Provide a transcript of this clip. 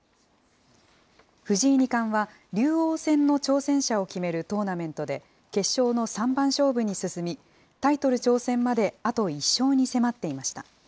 藤井二冠は竜王戦の挑戦者を決めるトーナメントで、決勝の三番勝負に進み、タイトル挑戦まであと１勝に迫っていました。